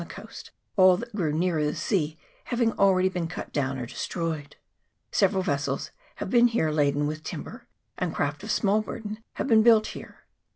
XV.] " THE BOYD." 237 the coast, all that grew nearer the sea having already been cut down or destroyed. Several ves sels have here been laden with timber, and craft of small burden have been built here.